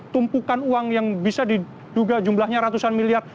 tumpukan uang yang bisa diduga jumlahnya ratusan miliar